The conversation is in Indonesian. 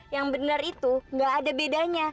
yang benar itu nggak ada bedanya